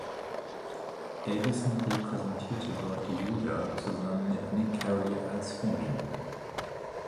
Davison repräsentierte dort die „Julia“ zusammen mit Nick Karry als „Romeo“.